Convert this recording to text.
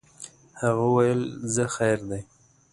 هغه ویل ځه خیر دی.